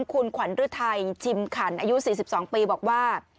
คุณขวัญฤทัยชิมขันอายุ๔๒ปีบอกว่า